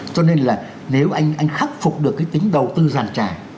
cho nên là nếu anh khắc phục được cái tính đầu tư giàn trải